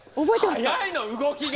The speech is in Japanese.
速いの動きが。